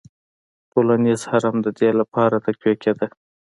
ټولنیز هرم د دې لپاره تقویه کېده.